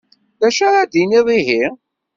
D acu ara d-tiniḍ ihi?